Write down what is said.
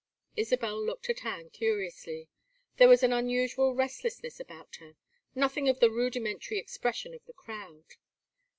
Isabel looked at Anne curiously. There was an unusual restlessness about her, nothing of the rudimentary expression of the crowd.